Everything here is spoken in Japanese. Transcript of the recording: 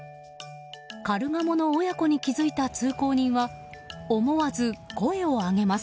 カルガモの親子に気付いた通行人は思わず声を上げます。